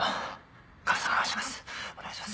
お願いします